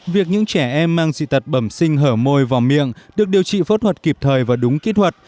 việc những trẻ em mang dị tật bẩm sinh hở môi vào miệng được điều trị phẫu thuật kịp thời và đúng kỹ thuật